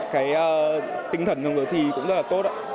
cái tinh thần trong giờ thi cũng rất là tốt ạ